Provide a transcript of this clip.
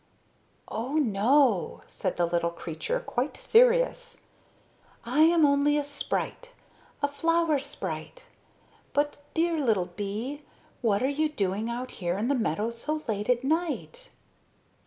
"Oh, no," said the little creature, quite serious. "I am only a sprite, a flower sprite. But, dear little bee, what are you doing out here in the meadow so late at night?"